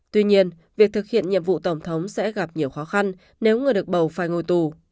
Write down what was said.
tuy nhiên việc thực hiện nhiệm vụ tổng thống sẽ gặp nhiều khó khăn nếu người được bầu phải ngồi tù